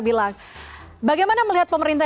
bilang bagaimana melihat pemerintah